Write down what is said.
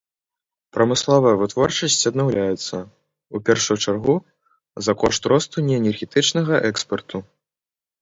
Прамысловая вытворчасць аднаўляецца, у першую чаргу, за кошт росту неэнергетычнага экспарту.